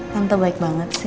tante baik banget sih